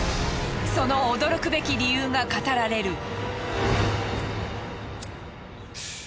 その驚くべき理由が語られる。